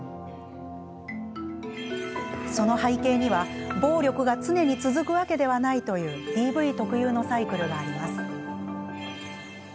その背景には、暴力が常に続くわけではないというＤＶ特有のサイクルがあります。